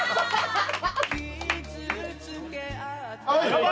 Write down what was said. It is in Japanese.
乾杯！